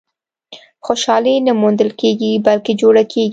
• خوشالي نه موندل کېږي، بلکې جوړه کېږي.